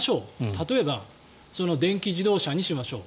例えば電気自動車にしましょう。